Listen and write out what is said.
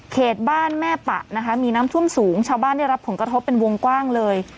บ้านแม่ปะนะคะมีน้ำท่วมสูงชาวบ้านได้รับผลกระทบเป็นวงกว้างเลย